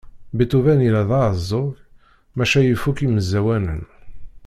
Beethoven yella d aɛeẓẓug maca yif akk imeẓẓawanen.